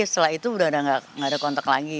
setelah itu udah gak ada kontak lagi